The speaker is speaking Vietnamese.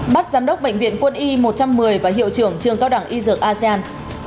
bắt giám đốc bệnh viện quân y một trăm một mươi và hiệu trưởng trường cao đẳng y dược asean